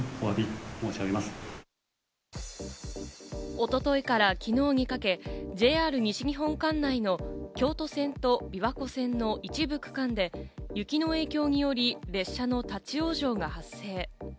一昨日から昨日にかけ、ＪＲ西日本管内の京都線と琵琶湖線の一部区間で、雪の影響により列車の立ち往生が発生。